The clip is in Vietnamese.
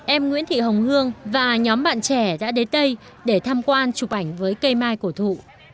em nguyễn thị hồng hương và nhóm bạn trẻ đã đến đây để tham quan chụp ảnh với cây mai cổ thụ